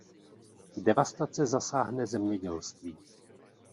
Devastace zasáhne zemědělství.